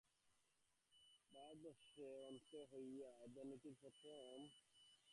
ভারতবর্ষে আবার বিষয়ভোগতৃপ্ত মহারাজগণ অন্তে অরণ্যাশ্রয়ী হইয়া অধ্যাত্মবিদ্যার প্রথম গভীর আলোচনায় প্রবৃত্ত হন।